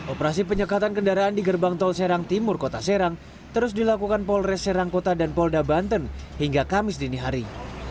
operasi penyekatan kendaraan di gerbang tol serang timur kota serang terus dilakukan polres serang kota dan polda banten hingga kamis dini hari